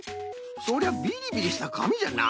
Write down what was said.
そりゃビリビリしたかみじゃな。